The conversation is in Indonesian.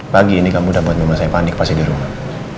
pagi ini kamu udah buat mama saya panik pas di rumah